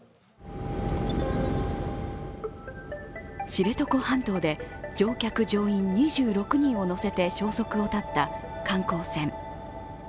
知床半島で乗客・乗員２６人を乗せて消息を絶った観光船。